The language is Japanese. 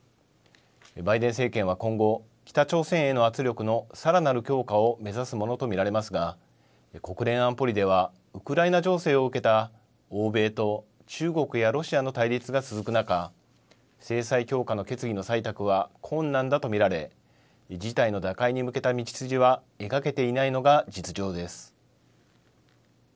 バイデン政権は今後、北朝鮮への圧力のさらなる強化を目指すものと見られますが国連安保理ではウクライナ情勢を受けた欧米と中国やロシアの対立が続く中、制裁強化の決議の採択は困難だと見られ事態の打開に向けた道筋は描けていないのが実情です。